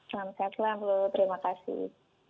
salam sehat selalu terima kasih